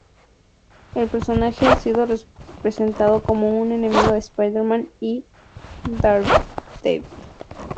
El personaje ha sido representado como un enemigo de Spider-Man y Daredevil.